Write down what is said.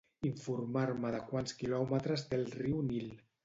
Informar-me de quants quilòmetres té el riu Nil.